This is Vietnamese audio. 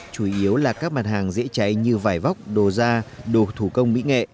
chủ yếu là các mặt hàng dễ cháy như vải vóc đồ da đồ thủ công mỹ nghệ